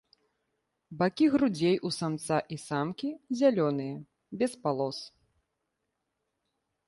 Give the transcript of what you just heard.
Бакі грудзей у самца і самкі зялёныя, без палос.